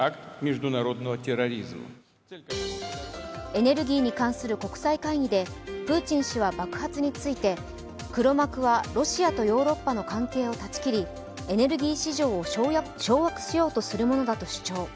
エネルギーに関する国際会議でプーチン氏は爆発について黒幕はロシアとヨーロッパの関係を絶ちきり、エネルギー市場を掌握しようとするものだと主張。